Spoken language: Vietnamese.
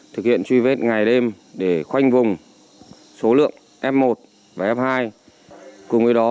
thực hiện truy vết ngày đêm để khoanh vùng số lượng f một và f hai cùng với đó